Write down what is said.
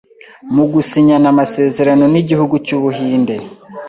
mu gusinyana amasezerano n’igihugu cy’Ubuhinde